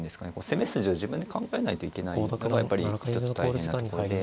攻め筋を自分で考えないといけないのがやっぱり一つ大変なところで。